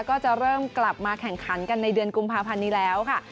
ก็จะเริ่มกลับมาแข่งขันกันในเดือนกุมภาพันธ์นี้แล้วค่ะ